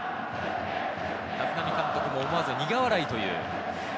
立浪監督も思わず苦笑いという。